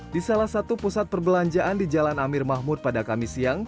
di salah satu pusat perbelanjaan di jalan amir mahmud pada kamis siang